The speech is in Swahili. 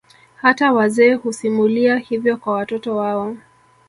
Hata wazee husimulia hivyo kwa watoto wao